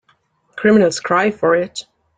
Criminals cry for it.